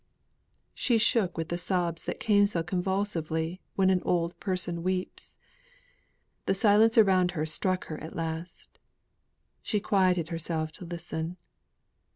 She shook with the sobs that come so convulsively when an old person weeps. The silence around her struck her at last; and she quieted herself to listen.